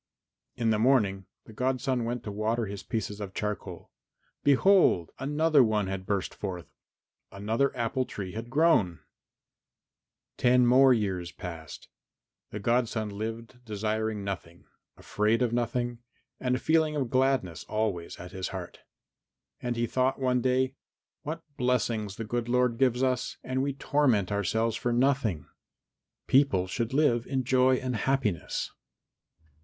In the morning the godson went to water his pieces of charcoal. Behold! another one had burst forth, another apple tree had grown! XIII Ten more years passed. The godson lived desiring nothing, afraid of nothing, and a feeling of gladness always at his heart. And he thought one day, "What blessings the good Lord gives us! And we torment ourselves for nothing. People should live in joy and happiness."